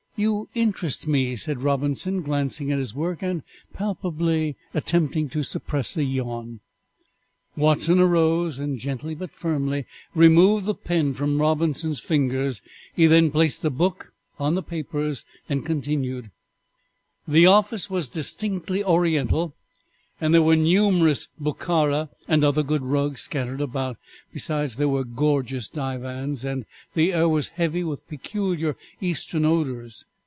"You interest me," said Robinson, glancing at his work, and palpably attempting to suppress a yawn. Watson arose, and gently but firmly removed the pen from Robinson's fingers; he then placed a book on the papers, and continued: "The office was distinctly oriental, and there were numerous Bokhara and other good rugs scattered about; besides there were gorgeous divans, and the air was heavy with peculiar Eastern odors.